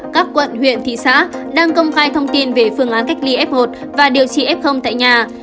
các quận huyện thị xã đang công khai thông tin về phương án cách ly f một và điều trị f tại nhà